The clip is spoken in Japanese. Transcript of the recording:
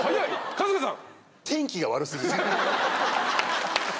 春日さん。